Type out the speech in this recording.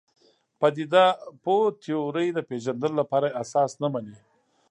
پدیده پوه تیورۍ د پېژندلو لپاره اساس نه مني.